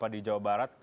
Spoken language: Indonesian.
di jawa barat